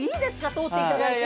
通っていただいて。